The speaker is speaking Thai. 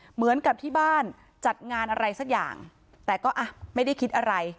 เหมือนกับที่บ้านจัดงานอะไรสักอย่างแต่ก็อ่ะไม่ได้คิดอะไร